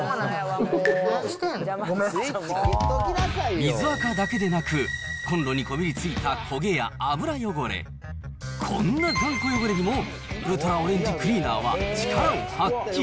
水あかだけでなく、コンロにこびりついた焦げや油汚れ、こんな頑固汚れにもウルトラオレンジクリーナーは力を発揮。